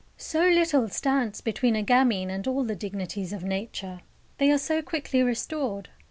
So little stands between a gamin and all the dignities of Nature. They are so quickly restored.